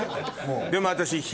でも私。